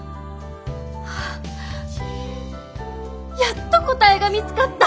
やっと答えが見つかった！